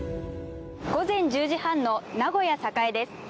午前１０時半の名古屋・栄です。